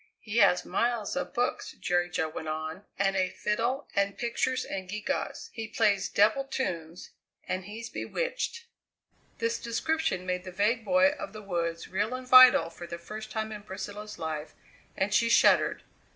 "He has miles of books," Jerry Jo went on, "and a fiddle and pictures and gewgaws. He plays devil tunes, and he's bewitched!" This description made the vague boy of the woods real and vital for the first time in Priscilla's life, and she shuddered.